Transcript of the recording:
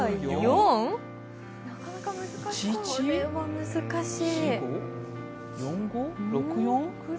これは難しい。